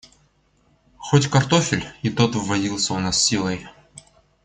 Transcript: Хоть картофель — и тот вводился у нас силой.